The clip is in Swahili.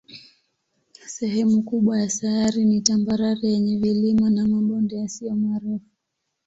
Sehemu kubwa ya sayari ni tambarare yenye vilima na mabonde yasiyo marefu.